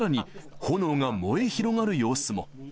さらに、炎が燃え広がる様子も。